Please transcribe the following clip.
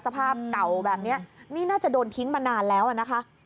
สภาพเก่าแบบนี้นี่น่าจะโดนทิ้งมานานแล้วนะคะ